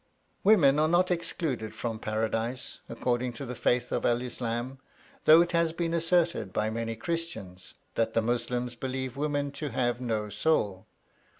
"Women are not to be excluded from paradise, according to the faith of El Islam; though it has been asserted by many Christians, that the Muslims believe women to have no soul.